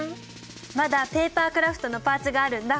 まだペーパークラフトのパーツがあるんだ。